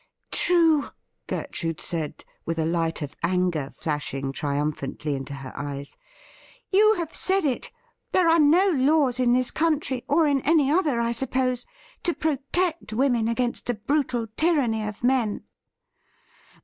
' True !' Gertrude said, with a light of anger flashing triumphantly into her eyes. ' You have said it : there are no laws in this country, or in any other, I suppose, to protect women against the brutal tyranny of men.'